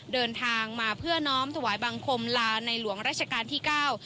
เดินทางมาเพื่อน้องถวายบังคมลาในหลวงราชการที่เก้า